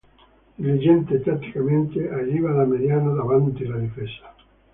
Diligente tatticamente, agiva da mediano davanti la difesa.